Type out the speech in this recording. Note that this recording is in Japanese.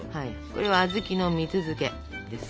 これは小豆の蜜漬けです。